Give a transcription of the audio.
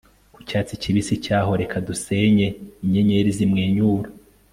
ku cyatsi kibisi cyaho , reka dusenye inyenyeri zimwenyura